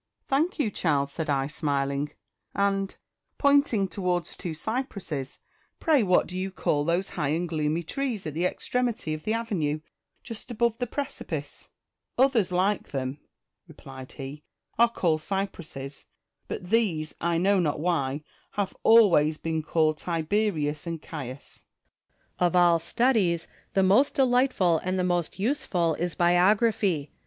"Thank you, child!" said I smiling; "and," pointing towards two cypresses, " pray what do you call those high and gloomy trees at the extemity of the avenue, just above the precipice r' "Others like them," replied he, "are called cypresses ; but these, I know not why, have always been called Tiberius and Caius." Quinctus. Of all studies, the most delightful and the most useful is biography.